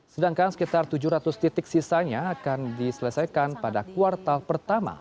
sedangkan sekitar tujuh ratus titik sisanya akan diselesaikan pada kuartal pertama